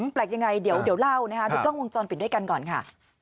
แปลกยังไงเดี๋ยวเล่านะคะดูกล้องวงจรปิดด้วยกันก่อนค่ะ